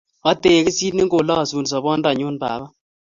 Ategisin, ingolosun sobondanyu baba